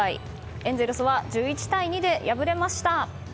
エンゼルスは１１対２で敗れました。